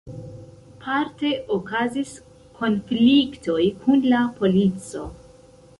Parte okazis konfliktoj kun la polico.